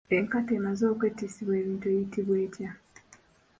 Enkata emaze okwetissibwa ebintu eyitibwa etya?